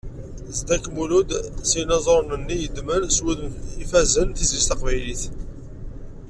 Zeddak Mulud, seg yinaẓuren-nni i yeddmen s wudem ifazen, tizlit taqbaylit.